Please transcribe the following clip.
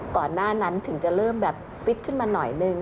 ก่อนหน้านั้นถึงจะเริ่มแบบฟิตขึ้นมาหน่อยนึง